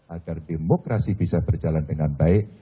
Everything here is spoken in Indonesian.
agar demokrasi bisa berjalan dengan baik